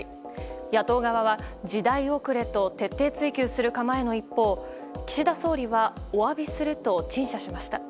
野党側は、時代遅れと徹底追及する構えの一方岸田総理はお詫びすると陳謝しました。